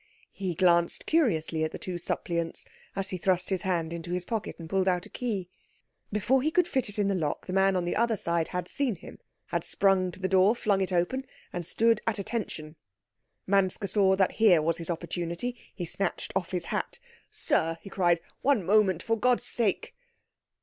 He glanced curiously at the two suppliants as he thrust his hand into his pocket and pulled out a key. Before he could fit it in the lock the man on the other side had seen him, had sprung to the door, flung it open, and stood at attention. Manske saw that here was his opportunity. He snatched off his hat. "Sir," he cried, "one moment, for God's sake."